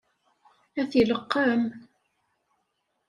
Ad t-ileqqem?